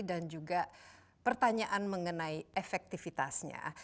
dan juga pertanyaan mengenai efektivitasnya